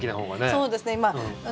そうですね。